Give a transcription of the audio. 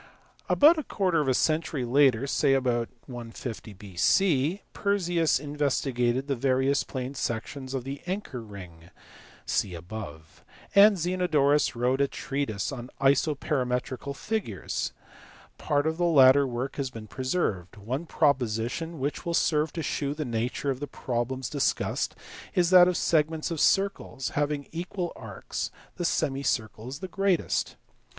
About a quarter of a century later, say about 150 B.C., Perseus investigated the various plane sections of the anchor ring (see above, p. 47), and Zenodorus wrote a treatise on isoperimetrical figures. Part of the latter work has been preserved ; one proposition which will serve to shew the nature of the problems discussed is that "of segments of circles, having equal arcs, the semicircle is the greatest."